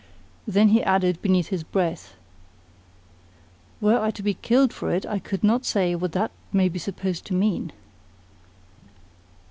Then he added beneath his breath: "Were I to be killed for it, I could not say what that may be supposed to mean."